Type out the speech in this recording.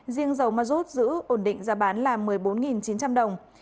riêng dầu mazut giữ ổn định giá bán là một mươi bốn chín trăm linh đồng